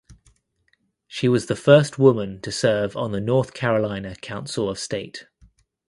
She was the first woman to serve on the North Carolina Council of State.